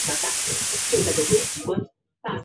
卡塔赫纳和马萨龙是该区两个重要的沿海城镇。